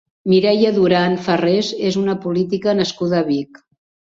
Mireia Duran Farrés és una política nascuda a Vic.